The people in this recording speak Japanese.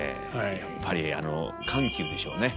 やっぱり緩急でしょうね。